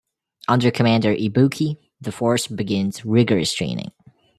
Under Commander Ibuki, the force begins rigorous training.